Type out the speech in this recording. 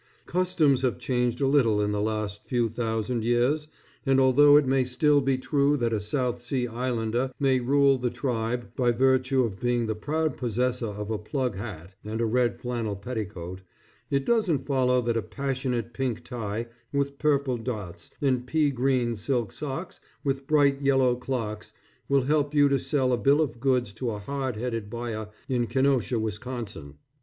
Customs have changed a little in the last few thousand years, and although it may still be true that a South Sea Islander may rule the tribe by virtue of being the proud possessor of a plug hat and a red flannel petticoat, it doesn't follow that a passionate pink tie with purple dots, and pea green silk socks with bright yellow clocks, will help you to sell a bill of goods to a hard headed buyer in Kenosha, Wisconsin.